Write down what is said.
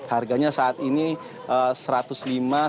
harganya saat ini satu ratus lima rupiah